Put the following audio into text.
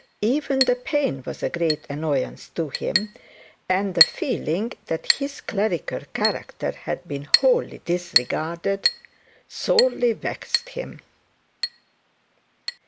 Even the pain was a great annoyance to him, and the feeling that his clerical character had been wholly disregarded, sorely vexed him.